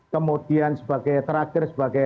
kemudian sebagai terakhir sebagai